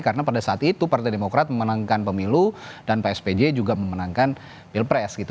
karena pada saat itu partai demokrat memenangkan pemilu dan pak spj juga memenangkan pilpres gitu